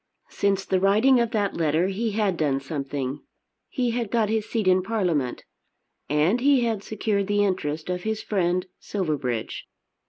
Since the writing of that letter he had done something. He had got his seat in Parliament. And he had secured the interest of his friend Silverbridge.